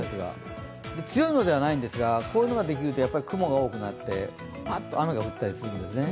強いのではないんですがこういうのができると雲が多くなってパッと雨が降ったりするんですね。